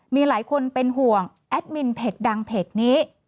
มีหลายคนเป็นห่วงแอดมินเพจดังเพจนี้